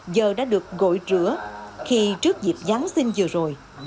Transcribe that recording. giờ đã được gội rửa khi trước dịp giáng sinh vừa rồi